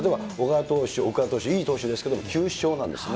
おがわ投手、いい投手ですけど、９勝なんですよね。